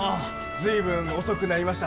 随分遅くなりました。